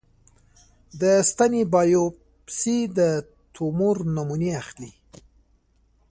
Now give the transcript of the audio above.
د ستنې بایوپسي د تومور نمونې اخلي.